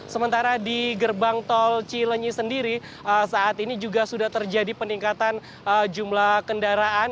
sementara di gerbang tol cilenyi sendiri saat ini juga sudah terjadi peningkatan jumlah kendaraan